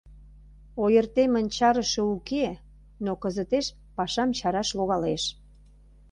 Ойыртемын чарыше уке, но кызытеш пашам чараш логалеш...